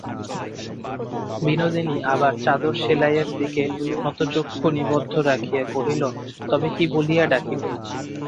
বিনোদিনী আবার চাদর সেলাইয়ের দিকে নতচক্ষু নিবদ্ধ রাখিয়া কহিল, তবে কী বলিয়া ডাকিব।